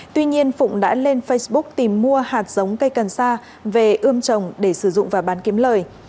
tuy nhiên phụng đã lên facebook tìm mua hạt giống cây cần sa về ươm trồng để sử dụng và bán kiếm lời